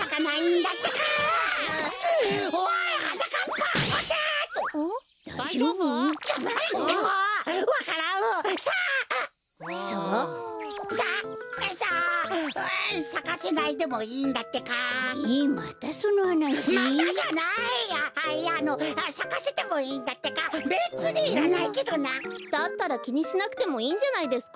だったらきにしなくてもいいんじゃないですか？